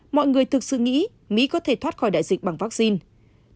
mọi người thực sự nghĩ mỹ có thể thoát khỏi đại dịch bằng vaccine